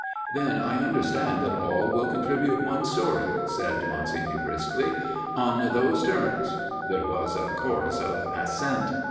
" Then I understand that all will contribute one story," said Monsignor briskly, " on those terms " There was a chorus of assent.